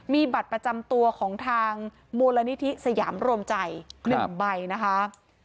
มีบัตรประจำตัวของทางมูลนิธิสยามรวมใจ๑ใบนะคะ